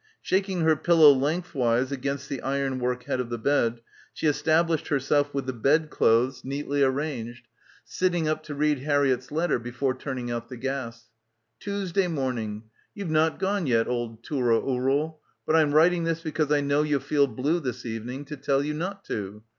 Shaking her pillow length wise against the ironwork head of the bed, she established herself with the bed clothes neatly — 149 — PILGRIMAGE arranged, sitting up to read Harriett's letter be fore turning out the gas : "Toosday morning — You're not gone yet, old tooral ooral, but I'm writing this because I know you'll feel blue this evening, to tell you not to.